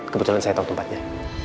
kebetulan saya tahu tempatnya